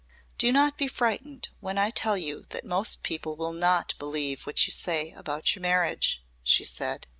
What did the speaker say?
"Do not be frightened when I tell you that most people will not believe what you say about your marriage," she said.